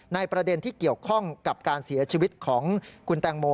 ประเด็นที่เกี่ยวข้องกับการเสียชีวิตของคุณแตงโม